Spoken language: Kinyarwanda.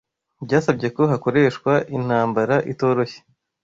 Byasabye ko hakoreshwa intambara itoroshye